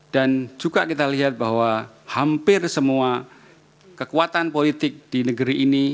dan juga kita lihat bahwa hampir semua kekuatan politik di negeri ini